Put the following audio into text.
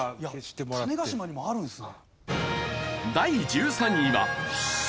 いや種子島にもあるんですね。